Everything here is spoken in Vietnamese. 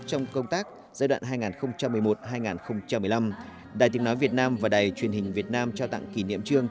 trong công tác giai đoạn hai nghìn một mươi một hai nghìn một mươi năm đài tiếng nói việt nam và đài truyền hình việt nam trao tặng kỷ niệm trương